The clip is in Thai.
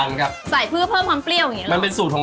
อันนั้นคือใบอะไรครับ